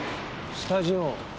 スタジオ？